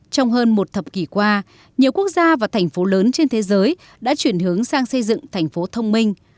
trong hơn một thập kỷ qua nhiều quốc gia và thành phố lớn trên thế giới đã chuyển hướng sang xây dựng thành phố thông minh